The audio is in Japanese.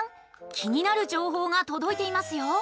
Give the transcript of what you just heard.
気になる情報が届いていますよ！